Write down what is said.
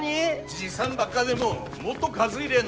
じいさんばっかでももっと数いりゃあ